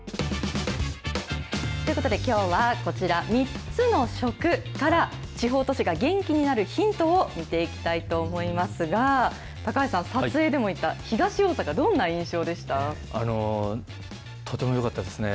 ということで、きょうはこちら、３つのショクから地方都市が元気になるヒントを見ていきたいと思いますが、高橋さん、撮影でもいた東大阪、とてもよかったですね。